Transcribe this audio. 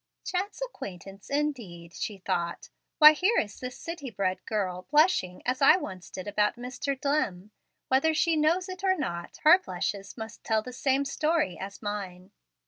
"Chance acquaintance, indeed!" she thought. "Why, here is this city bred girl blushing as I once did about Mr. Dlimm. Whether she knows it or not, her blushes must tell the same story as mine."